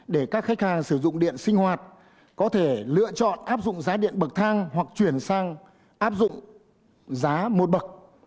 để các khách hàng sử dụng điện sinh hoạt có thể lựa chọn áp dụng giá điện bậc thang hoặc chuyển sang áp dụng giá một bậc